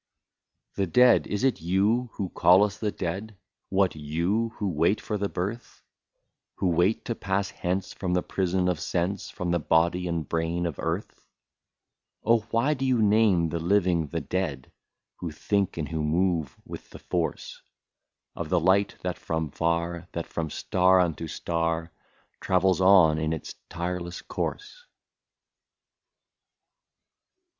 ' The dead ! Is it you, who call us the dead, — What you, who wait for the birth, Who wait to pass hence from the prison of sense, From the body and brain of earth ?*^ Oh ! why do you name the living the dead, — Who think and who move with the force Of the light, that from far, that from star unto star. Travels on in its tireless course